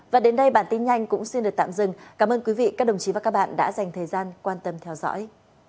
và đến đây bản tin nhanh cũng xin được tạm dừng cảm ơn quý vị các đồng chí và các bạn đã dành thời gian quan tâm theo dõi